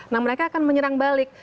nah mereka akan menyerang balik